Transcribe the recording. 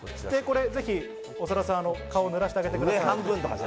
ぜひ長田さん、顔を濡らしてあげてください。